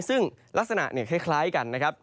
ซึ่งลักษณะคล้ายกันนะครับ